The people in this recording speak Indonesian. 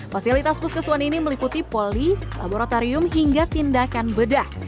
fasilitas puskeswan ini meliputi poli laboratorium hingga tindakan bedah